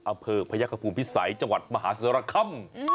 อำเภอพระยักษ์กระภูมิภิสัยจังหวัดมหาศรคัม